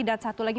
dan satu lagi